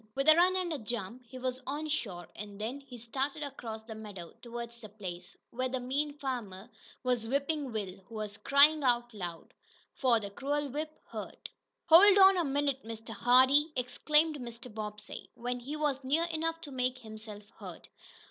With a run and a jump he was on shore, and then he started across the meadow toward the place where the mean farmer was whipping Will, who was crying out loud. For the cruel whip hurt. "Hold on a minute, Mr. Hardee!" exclaimed Mr. Bobbsey, when he was near enough to make himself heard.